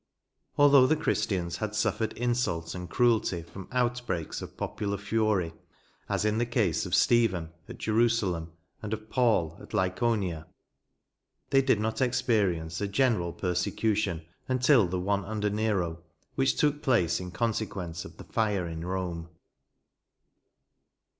Although the Christians had suffered insult and cruelty from outbreaks of popular fury, as in the case of Stephen, at Jerusalem, and of Paul, at Lyconia, they did not experience a general persecution until the one under Nero, which took place in consequence of the fire in Rome.